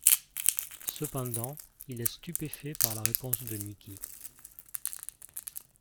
Cependant, il est stupéfait par la réponse de Niki.